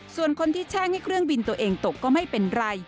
ส่วนคนที่แช่งให้เครื่องบินตัวเองตกก็ไม่เป็นไร